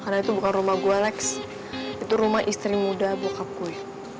karena itu bukan rumah gue lex itu rumah istri muda bokap gue